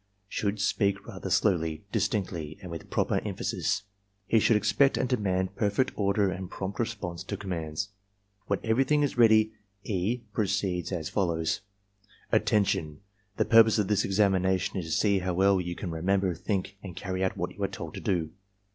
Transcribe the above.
should speak rather slowly, distinctly, and with proper emphasis. He shovM expect and demand per fect order and prompt response to commands. J When everything is ready E. proceeds as follows: "Attention! The purpose of this examination is to see how well you can remember, think, and carry out what you are told to do.